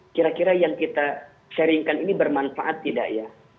kira kira yang kita sharingkan ini bermanfaat tidak ya